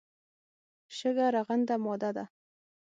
شګه رغنده ماده ده.